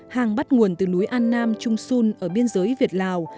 hàng bắt nguồn từ núi an nam trung sun ở biên giới việt lào